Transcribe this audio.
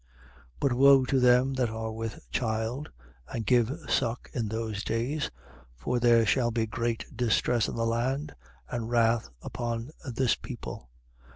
21:23. But woe to them that are with child and give suck in those days: for there shall be great distress in the land and wrath upon this people.